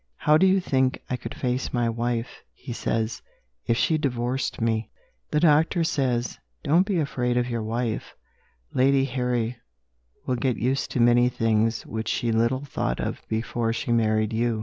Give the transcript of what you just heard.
"How do you think I could face my wife," he says, "if she discovered me?" The doctor says: "Don't be afraid of your wife; Lady Harry will get used to many things which she little thought of before she married you."